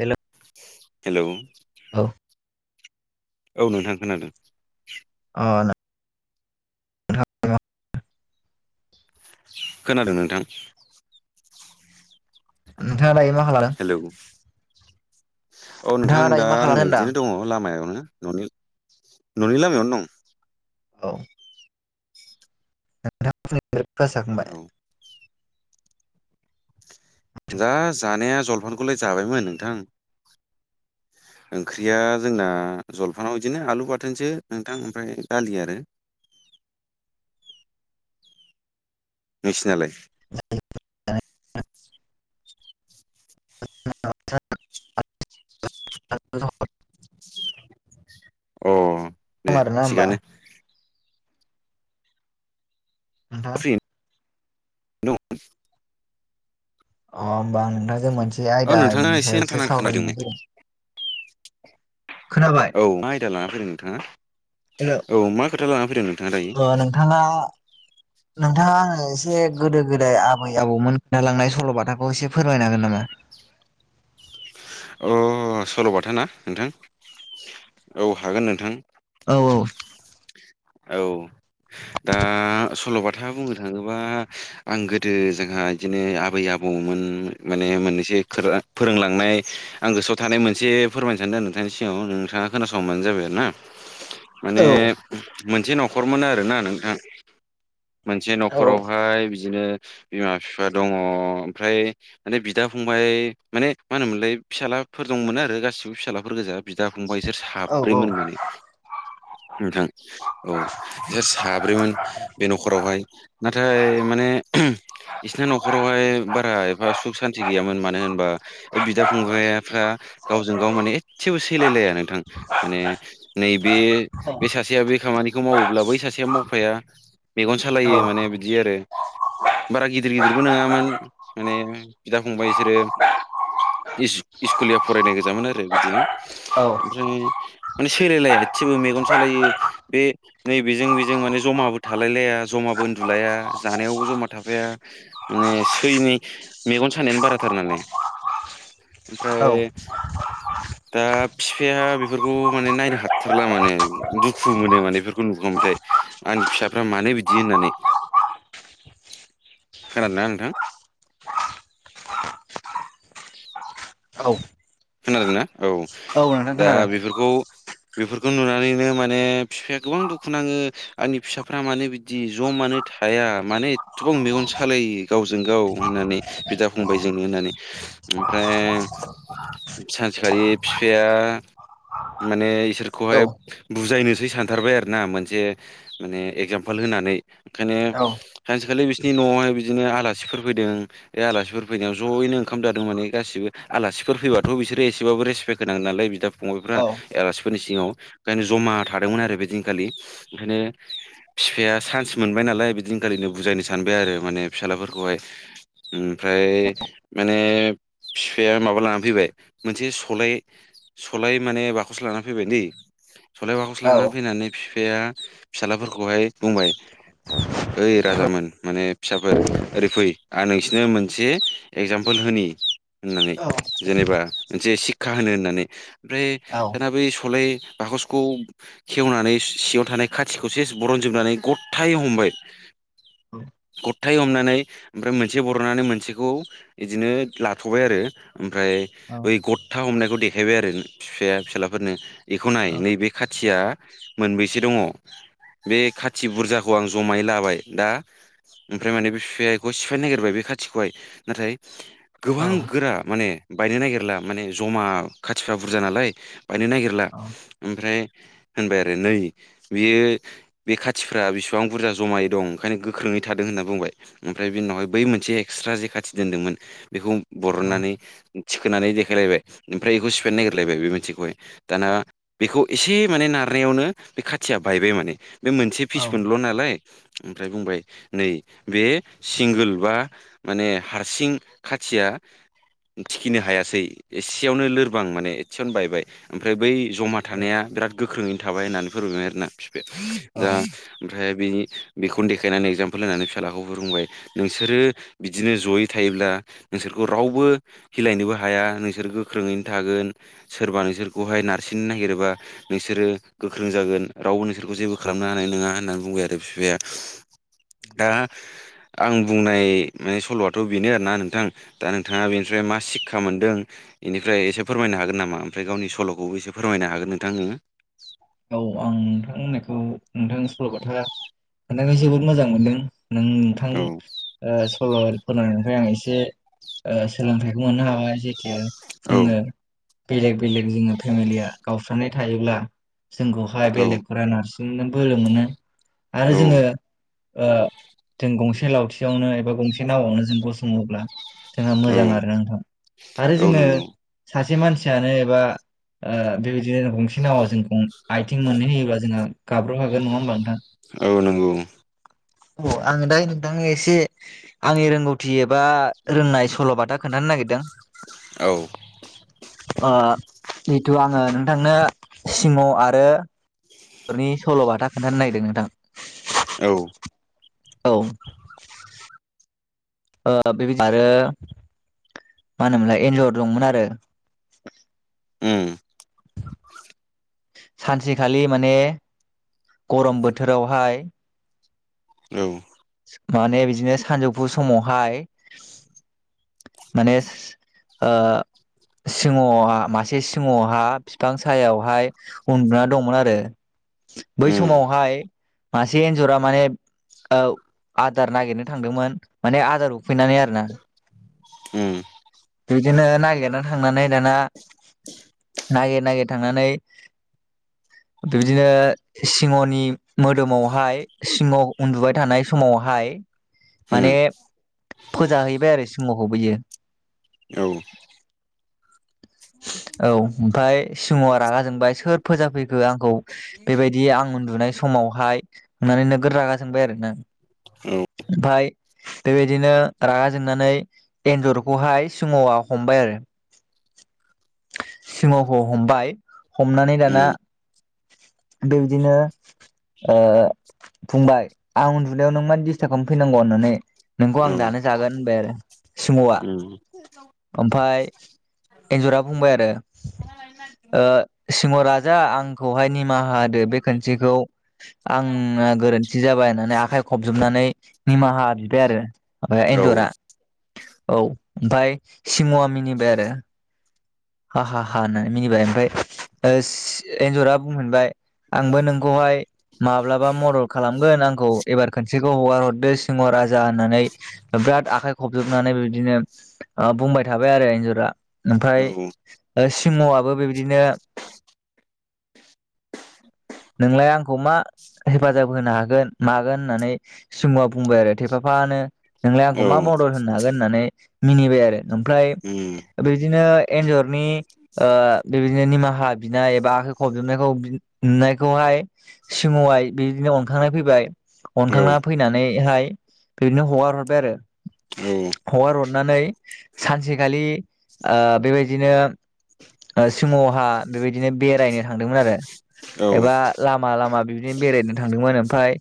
Hello hello औ औ नोंथां खोनादों। अ नोंथां खोनादों नोंथां। नोंथांङा दायो मा [unintelligible] हेलौ औ नोंथां नोंथाङा दायो दा मा खालामदों आंनो होनदां बिदिनो दंङ लामायावनो। ननि न'नि लामायावनो दं। औ [unintelligible] खांबाय औ दा जानाया जलफानखौलाय जाबायमोन नोंथां। ओंख्रिया जोंना जलफानाव बिदिनो आलु बाथोनसो नोंथां ओमफ्राय दालि आरो। नोंसिनालाय? [unintelligible] [unintelligible] अ दे आरोना होमबा थिगानो नोंथां [unintelligible] अ होमबा आं नोंथांजों मोनसे औ नोंथाङा आयदानि एसे नांथा सायावसो नांथा खोनादोंमोन सावरायनो खोनाबाय? औ मा आयदा लाना फैदों नोंथांङा? [unintelligible] औ मा खोथालान फैदों नोंथांङादायो? नोंथाङा नोंथाङा आङो एसे गोदो गोदाय आबै आबौमोन जालांनाय सल'बाथाखौ एसे फोरमायनो हागोन नामा? अह सल'बाथा ना नोंथां औ हागोन नोंथां। औ औ। औ दा सल'बाथा बुंनो थाङोबा आं गोदो जोंहा बिदिनो आबै आबौमोन माने मोननैसो खोरा फोरोंलांनाय आं गोसोआव थानाय मोनसे फोरमायनो सानदों नोंथांनि सिगाङाव नोंथाङा खोनासंबानो जाबाय आरो ना। [inaudible] माने मोनसे न'खरमोन आरोना नोंथां मोनसे औ न'खरावहाय बिदिनो बिमा बिफा दंङ ओमफ्राय माने बिदा फंबाय माने मा होनोमोनलाय फिसालाफोर दं मोनो आरो गासिबो फिसालाफोर गोजा बिदा फंबा बिसोर औ साब्रैमोन माने नोंथां औ ए साब्रैमोन बे न'खरावहाय नाथाय माने इसिना न'खरावहाय बारा एफा सुख सान्ति गैयामोन मानो होनबा ओ बिदा फंबाइफ्रा गावजों गाव माने एसेबो सैलायलाया नोंथां। माने नैबे बे सासेया बे खामानि बेखौ मावोब्ला बै सासेया मावफाया मेगन सालायो माने बिदि आरो। बारा गिदिर गिदिरबो नङामोन माने बिदा फंबाय बिसोरो इस इस्कुुलिया फरायनाय गोजामोन आरो बिदिनो। जों माने सैलायलाया एसेबो मेगन सालायो बे नै बेजों बेजों माने ज'माबो थालाय लाया ज'माबो उन्दुलाया जानायावबो ज'मा थाफाया माने सैनि मेगन सानायानो बाराथार नालाय। आमफ्राय औ दा फिफाया बेफोरखौ माने नायनो हाथारला माने दुखु मोनो माने बेफोर खौ नुखांबाथाय आंनि फिसाफ्रा मानो बिदि होननानै। खोनादों ना नोंथां? औ खोनादोंना औ औ नोंथां दा खोनादों बेफोरखौ बेफोरखौ नुनानैनो माने फिफाया गोबां दुखु नाङो आंनि फिसाफ्रा मानो बिदि ज' मानो थाया मानो एथबां मेगन सालायो गावजों गाव होननानै बिदा फंबायजोंनो होननानै। ओमफ्राय सानसेखालि फिफाया माने औ इसोरखौहाय बुजायनोसै सानथारबाय आरो ना मोनसे माने एगजामपोल होनानै ओंखायनो औ सानसेखालि बिसिनि न'आवहाय बिदिनो आलासिफोर फैदों। बे आलासिफोर फैनायाव ज'यैनो ओंखाम जादों माने गासिबो आलासिफोर फैबा थ' बिसोरो एसेबाबो रेसपेक्ट होनांगोन नालाय बिदा फंबायफ्रा औ आलासिफोरनि सिगाङाव ओंखायनो जमा थादोंमोन आरो बेदिनखालि ओंखायनो फिफाया चान्स मोनबाय नालाय बिदिनखालिनो बुजायनो सानबाय आरो माने फिसालाफोरखौहाय। ओमफ्राय माने फिफाया माबा लानानै फैबाय। मोनसे सलाय सलाय माने बाखस लाना फैबाय दे। सलाय बाखस लानानै फैनानै फिफाया फिसालाफोरखौहाय बुंबाय ओइ राजामोन माने फिसाफोर ओरै फै आं नोंसिनो मोनसे एगजामपोल होनि होननानै औ जेनेबा मोनसे सिख्खा होनो होननानै ओमफ्राय औ दाना बै सलाय बाखसखौ खेवनानै सिङाव थानाय खाथिखौ सेस बरनजोबनानै गथायै हमबाय। गथायै हमनानै ओमफ्राय मोनसे बरननानै मोनसेखौ इदिनो लाथ'बाय आरो ओमफ्राय औ बै गथा हमनायखौ देखायबाय आरो फिफाया फिसालाफोरनो बेखौ नाय औ नैबे खाथिया मोनबैसे दङ बे खाथि बुरजाखौ आं जमायै लाबाय दा ओमफ्राय माने बे बिफायखौ सिफायनो नागिरबाय बे खाथिखौहाय नाथाय औ गोबां गोरा माने बायनो नागिरला माने जमा खाथिफ्रा बुरजा नालाय बायनो नागिरला औ ओमफ्राय होनबाय आरो नै बेयो बे खाथिफ्रा बेसिबां बुरजा जमाय दं ओंखायनो गोख्रोङै थादों होनना बुंबाय ओमफ्राय बि उनावहाय बै मोनसे एक्सट्रा जे खाथि दोनदोंमोन बेखौ बरननानै थिखोनानै द सलायबाय ओमफ्राय बेखौ सिफायनो नागिरलबाय बे मोनसेखौहाय दाना बेखौ एसे माने नारनायावनो बे खाथिया बायबाय माने बे मोनसे औ फिसफोरल' नालाय ओमफ्राय बुंबाय नै बे सिंगोल बा माने हारसिं खाथिया थिखिनो हायासै। एसेयावनो लोरबां माने एसेयावनो बायबाय। ओमफ्राय बै जमा थानाया औ बिराद गोख्रोङैनो थाबाय होननानै फोरमायबाय आरोना फिफाया औ दा आं ओमफ्राय बिनि बेखौनो देखायनानै एक्जामपोल होनानै फिसालाखौ फोरोंबाय। नोंसोरो बिदिनो जयै थायोब्ला नोंसोरखौ रावबो हिलायनोबो हाया नोंस नोंसोर गोख्रोङैनो थागोन सोरबा नोंसोरखौहाय नारसिननो नागिरोबा नोंसोरो गोख्रों जागोन रावबो नोंसोरखौ जेबो खालामनो हानाय नङा होननानै बुंबाय आरो फिफाया। दा आं बुंनाय माने सल'आथ' बेनो आरोना नोंथां। दा नोंथाङा बेनिफ्राय मा सिक्षा मोनदों बेनिफ्राय एसे फोरमायनो हागोन नामा? ओमफ्राय गावनि सल'खौबो एसे फोरमायनो हागोन नोंथां नोङो औ आं नोंथांहोननायखौ नोंथांनि सल'बाथा खोनथानो जोबोद मोजां मोनदों नोंथां औ [unintelligible] ओ फोरनायनिफ्राय आं एसे ओ सोलोंथाइखौ मोननो हाबाय औ जोङो बेलेग बेलेग जोङो फेमिलिया गावस्रानाय थायोब्ला जोंखौहाय औ बेलेगफोरा नारसिननो बोलो मोनो आरो औ जोङो ओ जों गंसे लावथियावनो एबा गंसे नावआवनो जों गसङोब्ला जोंहा औ मोजां आरो नोंथां आरो औ जोङो नंगौ सासे मानसियानो एबा ओ बेबायदिनो गंसे नावआ जोंखौ आइथिं मोननै होयोब्ला जोंहा गाब्र खागोन नङा होमबा नोंथां औ नंगौ अ आं दा नोंथांनि एसे आंनि रोंगौथि एबा रोंनाय सल'बाथा खोन्थानो नागिरदों औ ओ जिथु आङो नोंथांनो सिंह आरो बेफोरनि सल'बाथा खोनथानो नागिरदों नोंथां औ औ [unintelligible] बे जार [unintelligible] मा होनो मोनलाय एन्जर दंमोन आरो उम सानसेखालि माने गरम बोथोरावहाय औ माने बिदिनो सानजौफु समावहाय माने ओ सिंहआ मासे सिंहआ बिफां सायाआव हाइ उन्दुना दंमोन आरो बै उम समावहाय मासे एन्जरा माने आदार नागिरनो थांदोंमोन माने आदार उखैनानै आरोना उम बिदिनो नागिरना थांनानै दाना नागिर नागिर थांनानै बिदिनो सिंहनि मोदोमावहाय सिंह उन्दुबाय थानाय समावहाय माने उम फोजाहैबाय आरो सिंहखौ बियो। औ [inaudible] औ ओमफ्राय सिंहआ रागा जोंबाय सोर फोजाफैखो आंखौ। बेबायदि आं उन्दुनाय समावहाय होननानै नोगोद रागा जोंबाय आरो ना। ओमफ्राइ बेबायदिनो रागा जोंनानै एन्जरखौहाय सिंहआ हमबाय आरो। सिंहखौ हमबाय हमनानै दाना उम बेबायदिनो। ओ बुंबाय आं उन्दुनायाव नों मा दिस्टाब खालाम फैनांगौ होननानै नोंखौ आं दानो जागोन होनबाय आरो औ ओमफ्राइ एन्जरा बुंबाय आरो ओ सिंह राजा आंखौहाय निमाहा होदो बे खोनसेखौ आंना गोरोन्थि जाबाय होननानै आखाइ खबजबनानै निमाहा बिबाय आरो माने औ एन्जरा औ ओमफ्राय सिंहआ मिनिबाय आरो हा हा हा होननानै मिनिबाय ओमफ्राय एन्जरा बुंफिनबाय आंबो नोंखौहाय माब्लाबा मदद खालामगोन आंखौ एबार खनसेखौ हगार हरदो सिंह राजा होननानै बिराद आखाइ खबजबनानै बिदिनो बुंबाय थाबाय आरो एन्जरा ओमफ्राय उम ओ-सिंहआबो बेबादिनो - नोंलाय आंखौ मा हेफाजाब होनो हागोन मागोन होननानै सिहआ बुंबाय आरो थेफाफानो। नोंलाय औ आंखौ औ मा मदद होनो हागोन होननानै मिनिबाय आरो ओमफ्राय -' उम बिदिनो एन्जरनि ओ-बेबायदिनो निमाहा बिनाय एबा आखाइ खबजबनायखौ नुनाय खौहाय सिंह आय बिदिनो अनखांनाय फैबाय। अनखांना फैनानैहाय बिदिनो हगार हरबाय आरो। हगार हरनानै सानसेखालि ओ बेबायदिनो सिंह हा बेबायदिनो बेरायनो थांदोंमोन आरो। एबा लामा लामा बिबदिनो बेरायनो थांदोंमोन ओमफाय।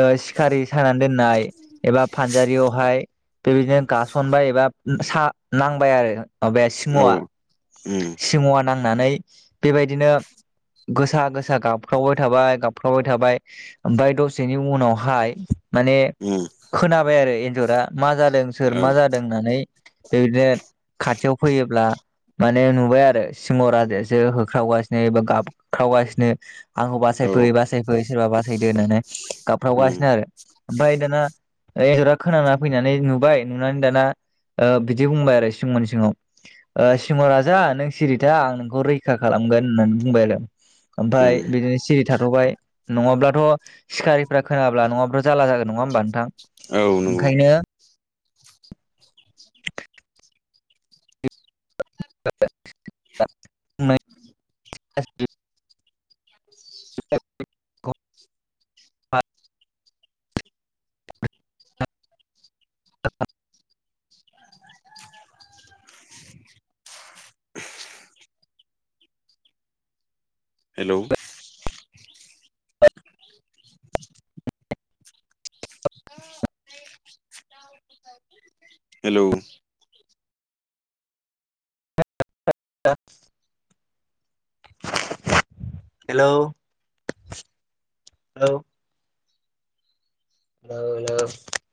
ओ-सिखारि सानानै दोननाय एबा फानजारियावहाय बेबायदिनो गासनबाय एबा सा-नांबाय आरो माबाया सिंहआ। सिंह' आ नांनानै बेबायदिनो गोसा गोस सा गाबख्रावबाय थाबाय गाबख्रावबाय थाबाय ओमफाय दसेनि उनावहाय माने खोनाबाय आरो एन्जरा मा जादों सोर औ मा जादों होननानै। बेबायदिनो खाथियाव फैयोब्ला माने नुबाय आरो सिंह' राजायासो होख्रावगासिनो एबा गाबख्रावगासिनो। आंखौ औ बासायफै बासायफै सोरबा बासायदो होननानै उम गाबफ्रावगासिनो आरो। आमफाय दाना। एन्जरा खोनाना फैनानै नुबाय नुनानै दाना ओ- बिदि बुंबाय आरो सिंह'नि सिगाङाव। ओ-सिंह' राजा नों सिरिथा आं नोंखौ रैखा खालामगोन होननानै बुंबाय आरो। ओमफ्राय उम बिदिनो सिरि थाथ'बाय नङाब्लाथ'। सिखारिफ्रा खोनाब्ला नङाब्ला जारला जागोन नङा होमबा नोंथां? औ नंगौ। ओंखायनो [inaudible] [unintelligible] हेलौ हेलौ [unintelligible] [inaudible] हेल' हेल। हेल' हेल'